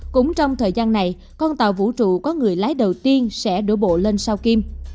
cũng trong thời gian này con tàu vũ trụ có người lái đầu tiên sẽ đổ bộ lên sao kim